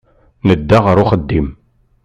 Nedda ɣer uxeddim.